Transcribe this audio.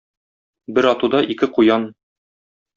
Бер атуда ике куян.